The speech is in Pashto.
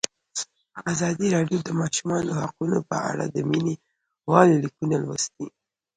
ازادي راډیو د د ماشومانو حقونه په اړه د مینه والو لیکونه لوستي.